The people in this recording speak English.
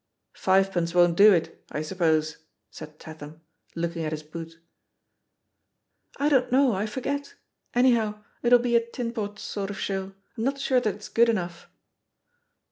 "Fivepence won't do it, I suppose?" said Tatham, looking at his boot. "I don't know; I forget. Anyhow, it'll be a tinpot sort of show. I'm not sure that it's good enough.'